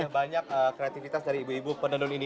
banyak kreativitas dari ibu ibu penenun ini